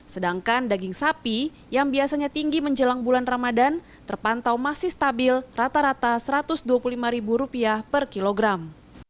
sedangkan daging sapi yang biasanya tinggi menjelang bulan ramadan terpantau masih stabil rata rata rp satu ratus dua puluh lima per kilogram